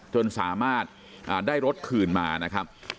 จนสามารถได้รถคืนมานะครับ